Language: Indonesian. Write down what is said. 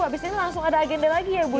habis ini langsung ada agenda lagi ya ibu ya